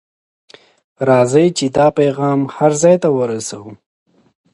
راځئ چې دا پیغام هر ځای ته ورسوو.